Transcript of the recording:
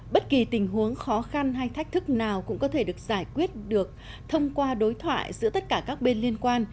bất kỳ tình huống khó khăn hay thách thức nào cũng có thể được giải quyết được thông qua đối thoại giữa tất cả các bên liên quan